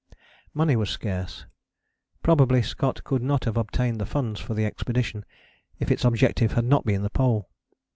Money was scarce: probably Scott could not have obtained the funds for the expedition if its objective had not been the Pole.